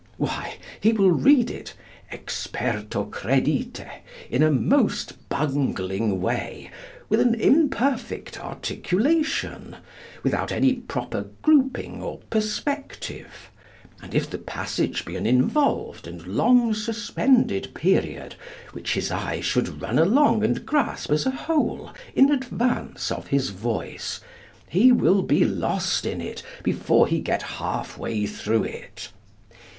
Why, he will read it, experto credite, in a most bungling way, with an imperfect articulation, without any proper grouping or perspective; and if the passage be an involved and long suspended period, which his eye should run along and grasp as a whole, in advance of his voice, he will be lost in it before he get half way through it.